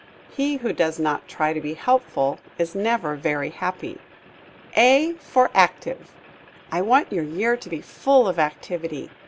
He who does not try to be helpful is never very happy. A for Active. I want your year to be full of activity.